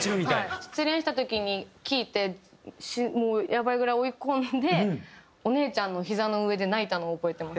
失恋した時に聴いてもうやばいぐらい追い込んでお姉ちゃんのひざの上で泣いたのを覚えてます。